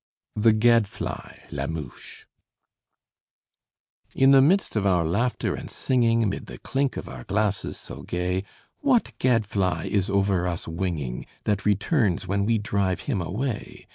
THE GAD FLY (LA MOUCHE) In the midst of our laughter and singing, 'Mid the clink of our glasses so gay, What gad fly is over us winging, That returns when we drive him away?